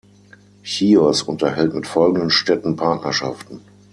Chios unterhält mit folgenden Städten Partnerschaften